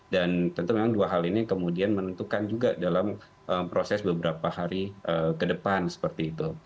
dan tentu memang dua hal ini kemudian menentukan juga dalam proses beberapa hari ke depan seperti itu